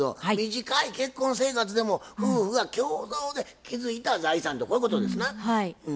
短い結婚生活でも夫婦が共同で築いた財産とこういうことですな？